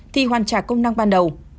thì hoàn trả công năng ban đầu